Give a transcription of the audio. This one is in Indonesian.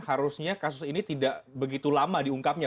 harusnya kasus ini tidak begitu lama diungkapnya